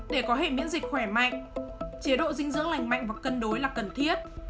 để có hệ miễn dịch khỏe mạnh chế độ dinh dưỡng lành mạnh và cân đối là cần thiết